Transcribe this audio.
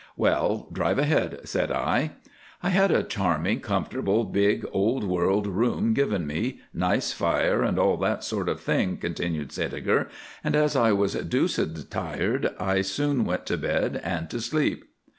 "Well, drive ahead," said I. "I had a charming, comfortable, big old world room given me, nice fire, and all that sort of thing," continued Sædeger, "and as I was deuced tired I soon went to bed and to sleep.